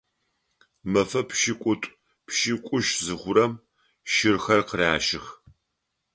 Мэфэ пшӏыкӏутӏу-пшӏыкӏутщ зыхъурэм щырхэр къыращых.